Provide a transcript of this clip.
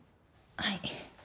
はい。